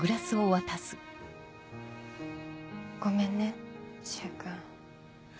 ごめんね柊君。